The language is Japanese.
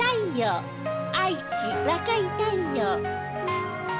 愛知若い太陽。